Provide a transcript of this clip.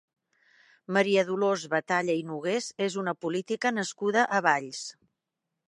Maria Dolors Batalla i Nogués és una política nascuda a Valls.